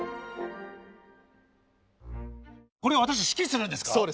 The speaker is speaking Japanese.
これを私指揮するんですか？